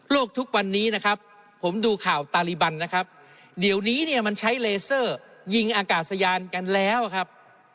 ทุกวันนี้นะครับผมดูข่าวตารีบันนะครับเดี๋ยวนี้เนี่ยมันใช้เลเซอร์ยิงอากาศยานกันแล้วครับ